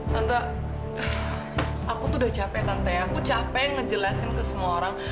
tante aku tuh udah capek tante aku capek ngejelasin ke semua orang